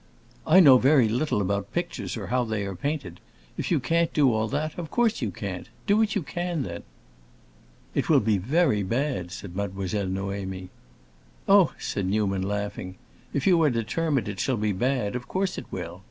"I know very little about pictures or how they are painted. If you can't do all that, of course you can't. Do what you can, then." "It will be very bad," said Mademoiselle Noémie. "Oh," said Newman, laughing, "if you are determined it shall be bad, of course it will.